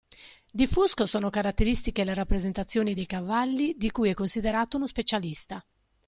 Di Fusco sono caratteristiche le rappresentazioni dei cavalli, di cui è considerato uno specialista.